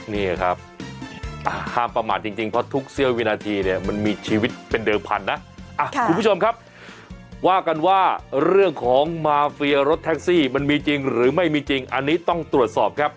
นี่ครับห้ามประมาทจริงเพราะทุกเสี้ยววินาทีเนี่ยมันมีชีวิตเป็นเดิมพันนะคุณผู้ชมครับว่ากันว่าเรื่องของมาเฟียรถแท็กซี่มันมีจริงหรือไม่มีจริงอันนี้ต้องตรวจสอบครับ